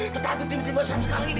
tetapi dimana sekarang ini